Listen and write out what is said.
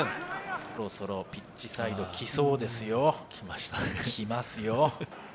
そろそろピッチサイド、来そうですよ。来ますよ。